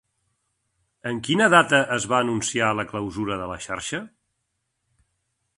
En quina data es va anunciar la clausura de la xarxa?